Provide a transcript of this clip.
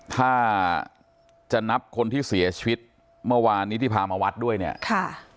ถ้าจะนับคนที่เสียชีวิตเมื่อวานนี้ที่พามาวัดด้วยเนี่ยค่ะ